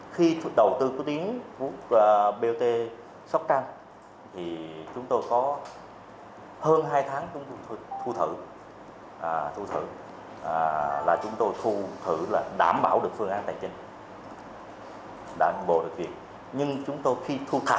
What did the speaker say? nhưng chúng tôi khi thu thạc là chúng tôi